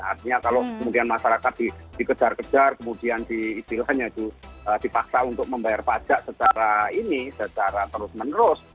artinya kalau kemudian masyarakat dikejar kejar kemudian dipaksa untuk membayar pajak secara ini secara terus menerus